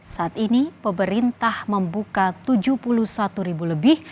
saat ini pemerintah membuka tujuh puluh satu ribu lebih